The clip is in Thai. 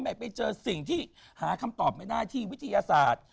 ไปเจอสิ่งที่หาคำตอบไม่ได้ที่วิทยาศาสตร์